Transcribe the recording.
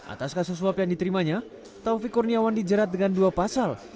atas kasus suap yang diterimanya taufik kurniawan dijerat dengan dua pasal